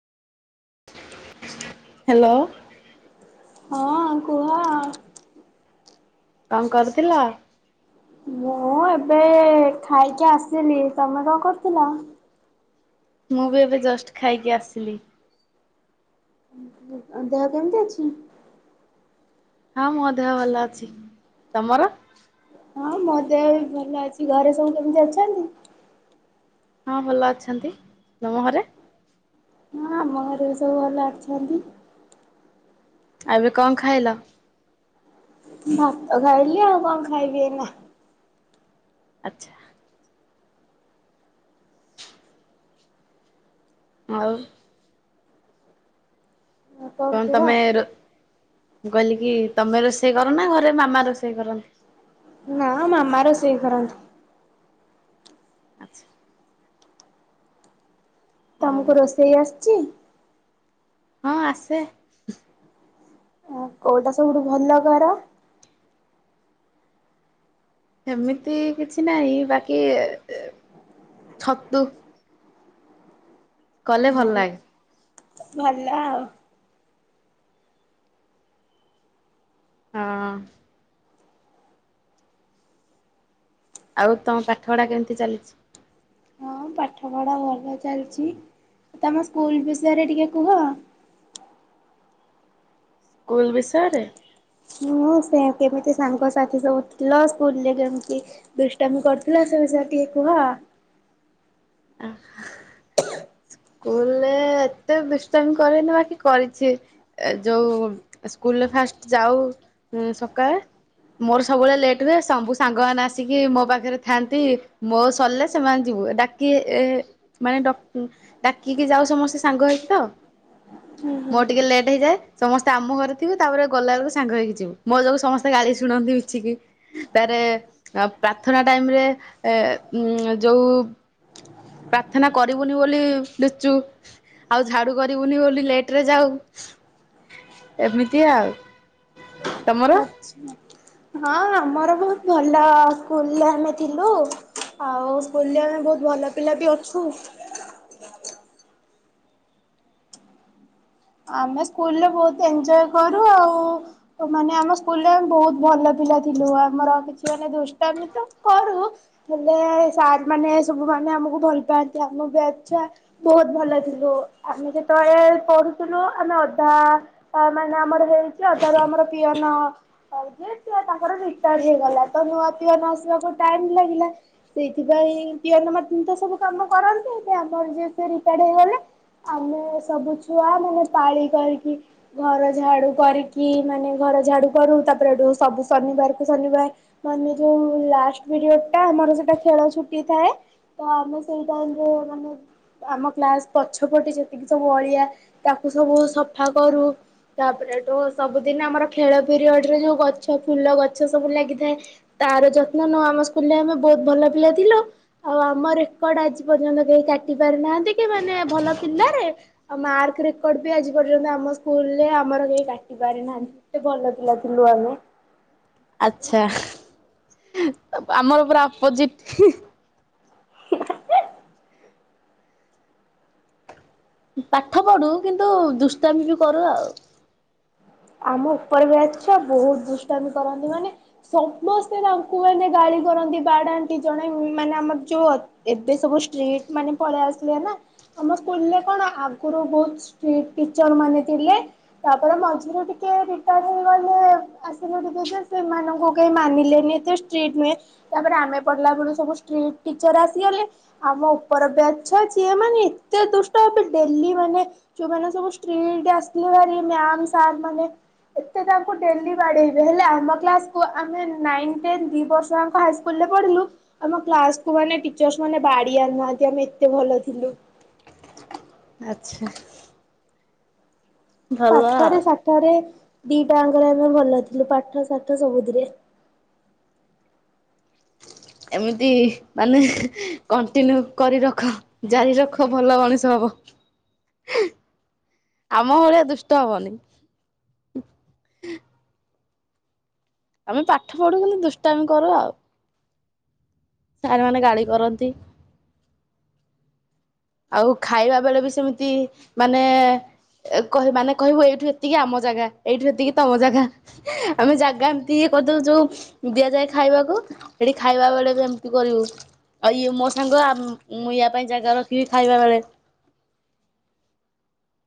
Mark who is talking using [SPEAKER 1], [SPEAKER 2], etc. [SPEAKER 1] Hello
[SPEAKER 2] ହଁ କୁହ
[SPEAKER 1] କଣ କରୁଥିଲ?
[SPEAKER 2] ମୁଁ ଏବେ ଖାଇକି ଆସିଲି ତମେ କଣ କରୁଥିଲ?
[SPEAKER 1] ମୁଁ ବି ଏବେ ଜଷ୍ଟ ଖାଇକି ଆସିଲି।
[SPEAKER 2] ଦେହ କେମିତି ଅଛି?
[SPEAKER 1] ହଁ ମୋ ଦେହ ଭଲ ଅଛି। ତମର?
[SPEAKER 2] ହଁ ମୋ ଦେହ ବି ଭଲ ଅଛି ଘରେ ସବୁ କେମିତି ଅଛନ୍ତି?
[SPEAKER 1] ହଁ ଭଲ ଅଛନ୍ତି ତମ ଘରେ?
[SPEAKER 2] ହଁ ଆମ ଘରେ ବି ସବୁ ଭଲ ଅଛନ୍ତି।
[SPEAKER 1] ଏବେ କଣ ଖାଇଲ
[SPEAKER 2] ଭାତ ଖାଇଲି ଆଉ କଣ ଖାଇବି ଏଇନା
[SPEAKER 1] ଆଚ୍ଛା ଆଉ
[SPEAKER 2] ଆଉ
[SPEAKER 1] କଣ
[SPEAKER 2] କୁହ?
[SPEAKER 1] ତମେ ରୋ ମୁଁ କହିଲି କି ତମେ ରୋଷେଇ କର ନା ଘରେ ମାମା ରୋଷେଇ କରନ୍ତି?
[SPEAKER 2] ନା ମାମ ରୋଷେଇ କରନ୍ତି।
[SPEAKER 1] ଆଚ୍ଛା ଆଉ
[SPEAKER 2] ତମକୁ ରୋଷେଇ ଆସୁଛି?
[SPEAKER 1] ହଁ ଆସେ।
[SPEAKER 2] ଆ କୋଉଟା ସବୁଠୁ ଭଲ କର?
[SPEAKER 1] ସେମିତି କିଛି ନାହିଁ ବାକି ଇ ଇ ଛତୁ। କଲେ ଭଲ ଲାଗେ।
[SPEAKER 2] ଭଲ ଆଉ
[SPEAKER 1] ହଁ ଆଉ ତମ ପାଠ ପଢା କେମିତି ଚାଲିଛି?
[SPEAKER 2] ହଁ ପାଠ ପଢା ଭଲ ଚାଲିଛି ତମ ସ୍କୁଲ ବିଷୟରେ ଟିକେ କୁହ?
[SPEAKER 1] ସ୍କୁଲ ବିଷୟରେ?
[SPEAKER 2] ହୁଁ ସେ କେମିତି ସାଙ୍ଗ ସାଥି ସବୁ ଥିଲ ସ୍କୁଲ ରେ କେମତି ଦୁଷ୍ଟାମି କରୁଥିଲ ସେ ବିଷୟରେ ଟିକେ କୁହ।
[SPEAKER 1] ଆଛା ସ୍କୁଲରେ ଏତେ ବ୍ୟସ୍ତମ କରେନି ବାକି କରିଛି ଯୋଉ ସ୍କୁଲରେ ଫାଷ୍ଟ ଯାଉ ସକାଳେ ମୋର ସବୁବେଳେ ଲେଟ୍ ହୁଏ ସବୁ ସାଙ୍ଗମାନୋନ ଆସିକି ମୋ ପାଖରେ ଥାଆନ୍ତି ମୋ ସରିଲେ ସେମାନେ ଯିବୁ ଡାକି ଏ ମାନେ ଡାକିକି ଯାଉ ସମସ୍ତେ ସାଙ୍ଗ ହେଇକି ତ ମୋର ଟିକେ ଲେଟ୍ ହେଇଯାଏ ସମସ୍ତେ ଆମ ଘରେ ଥିବେ ତାପରେ ଗଲା ବେଳକୁ ସାଙ୍ଗ ହେଇକି ଯିବୁ ମୋ ଯୋଗୁ ସମସ୍ତେ ଗାଳି ଶୁଣନ୍ତି ମିଚିକି ତାରେ ପ୍ରାର୍ଥନା ଟାଇମ ରେ ଉ ଯୋଉ ପ୍ରାର୍ଥନା କରିବୁନି ବୋଲି ଦଚୁ ଆଉ ଝାଡୁ କରିବୁନି ବୋଲି ଲେଟ ରେ ଯାଉ ଏମିତି ଆଉ ତମର
[SPEAKER 2] ଆଛା ହଁ ଆମର ବହୁତ ଭଲ ସ୍କୁଲରେ ଆମେ ଥିଲୁ ଆଉ ସ୍କୁଲରେ ଆମେ ବହୁତ ଭଲ ପିଲା ବି ଅଛୁ। ଆମେ ସ୍କୁଲରେ ବହୁତ ଏଞଜୟ କରୁ ଆଉ ମାନେ ଆମ ସ୍କୁଲରେେ ବହୁତ ଭଲ ପିଲା ଥିଲୁ ଆମର କିଛି ମାନେ ଦୁଷ୍ଟମେ ତ କରୁ ହେଲେ ସାର୍ ମାନେ ସବୁ ମାନେ ଆମକୁ ଭଲ ପାଆନ୍ତି ଆମକୁ ବି ଆଚଛା ବହୁତ ଭଲ ଥିଲୁ ଆମେ ଯେତେବେଳେ ପଢ ଥିଲୁ ଆମେ ଅଧା ମାନେ ଆମର ହେଇଛି ଅଧାରୁ ଆମର ପିଅନ ଯ ତାଙ୍କର ରିଟାର୍ଡ଼ ହେଇଗଲା ତ ନୂଆ ପିଅନ ଆସିବାକୁ ଟାଇମ ଲାଗିଲା ସେଇଥିପାଇଁ ପିଅନ ମ ତ ସବୁ କାମ କରନ୍ତି ଆମର ଯି ସି ରିଟାୟାର୍ଡ଼ ହେଇଗଲେ ଆମେ ସବୁ ଛୁଆ ମାନେ ପାଳି କରିକି ଘର ଝାଡୁ କରିକି ମାନେ ଘର ଝାଡୁ କରୁ ତାପରେ ସବୁ ଶନିବାର କୁ ଶନିବାର ମାନେ ଯୋଉ ଲାଷ୍ଟ ପିରିୟଡ ଟା ଆମର ସେଟା ଖେଳ ଛୁଟି ଥାଏ ତ ଆମେ ସେଇ ଟାଇମରେ ମାନେ ଆମ କ୍ସ ପଛପଟେ ଯେତିକି ସବୁ ଅଳିଆ ତାକୁ ସବୁ ସଫା କରୁ ତାପରେଠୁ ସବୁଦିନ ଆମର ଖେଳ ପିରିୟଡ ରେ ଯୋଉ ଗଛ ଫୁଲ ଗଛ ସବୁ ଲାଗିଥାଏ ତାର ଯତ୍ନ ନଉ ଆମ ସ୍କୁଲରେ ଆମେ ବହୁତ ଭଲ ପିଲା ଥିଲୁ ଆଉ ଆମ ରେକର୍ଡ ଆଜି ପର୍ଯ୍ୟନ୍ତ କେହି କାଟି ପାରିନାହାନ୍ତି କି ମାନେ ଭଲ ପିଲାରେ ଆ ମ ବ୍ରେକ ବି ଆଜି ପର୍ଯ୍ୟନ୍ତ ଆମ ସ୍କୁଲରେ ଆମର କେହି କାଟି ପାରି ନାହାନ୍ତି କେତେ ଭଲ ପିଲା ଥିଲୁ ଆମେ
[SPEAKER 1] ଆଛା ଆମର ପୁରା ଅପୋଜିଟ। ପାଠ ପଢୁ କିନ୍ତୁ ଦୁଷ୍ଟାମି ବି କରୁ ଆଉ।
[SPEAKER 2] ଆମ ଉପରେ ବି ଆଚ୍ଛା ବହୁତ ଦୁଷ୍ଟାନ୍ତ କରନ୍ତି ମାନେ ସମସ୍ତେ ତାଙ୍କୁ ମାନେ ଗାଳି କରନ୍ତି ବାଡାଣ୍ଟି ଜଣେ ମାନେ ଆମର ଯୋଉ ଏବେ ସବୁ ଷ୍ଟ୍ରିଟ୍ ମାନେ ପଳେଇ ଆସିଲେ ନା ଆମ ସ୍କୁଲରେ କଣ ଆଗରୁ ବହୁତଷ୍ଟିଟ ଟିଚର ମାନେ ଥିଲେ ତାପରେ ମଝିରେ ଟ ଟିକେ ରିଟାୟାର୍ ହେଇଗଲେ ଆସିଲେ ଟିକେ ଯେ ସେମାନଙ୍କୁ କେହି ମାନିଲେନି ଏେ ଷ୍ଟ୍ରିଟ୍ ନୁହେଁ ତାପରେ ଆମେ ପଢିଲା ବଳୁ ସବୁ ଷ୍ଟ୍ରିଟ୍ ଟିଚର ଆସିଗଲେ ଆମ ଉପର ବି ଅଛ ଯିଏ ମାନେ ଏତେ ଦୁଷ୍ଟ ହେବେ ଡେଲି ମାନେ ଯେୋଁମାନେ ସବୁ ଷ୍ଟ୍ରିଟ୍ ଆସଥିଲେ ଭାରି ମ୍ୟାମ ସାର୍ ମାନେ ତାଡେଇ ହେଲେ ଆମ ଆମେ ଦ ବର୍ଷିଲୁ ଆମ୍କୁାନ ମାନେ ବାନାହାନ୍ତି ଆମେ ଏତେ ଭଲ ଥିଲୁ।
[SPEAKER 1] ଆଚ୍ଛା ଭଲ
[SPEAKER 2] ପାଠରେ
[SPEAKER 1] ଆଉ।
[SPEAKER 2] ସାଠରେ ଦିଟା ଆଙ୍କରେ ଆମେ ଭଲ ଥିଲୁ ପାଠ ସାଠ ସବୁଥିରେ।
[SPEAKER 1] ଏମିତି ମାନେ କଣ୍ଟିନ୍ୟୁ କରି ରଖ ଜାରି ରଖ ଭଲ ମଣିଷ ହବ ଆମ ଭଳିଆ ଦୁଷ୍ଟ ହବନି। ଆମେ ପାଠ ପଢୁ କଲେ ଦୁଷ୍ଟ ଆମ କର ଆଉ। ସାରମାନୋନ ଗାଳି କରନ୍ତି। ଆଉ ଖାଇବା ବେଳେ ବି ସେମିତି ମାନେ ମାନେ କହିବୁ ଏଇଠୁ ଏତିକି ଆମ ଜାଗା ଏଇଠୁ ଏତିକି ତମ ଜାଗା ଆମେ ଜାଗା ଏମିତି ଇଏ କରିଦେଉ ଯୋଉ ଦିଆଯାଏ ଖାଇବାକୁ ସେଇଠି ଖାଇବା ବେଳେ ବି ଏମିତି କରିବୁ ଆଉ ଇଏ ମୋ ସାଙ୍ଗ ମୁଁ ୟା ପାଇଁ ଜାଗା ର କି ଖାଇବାରେ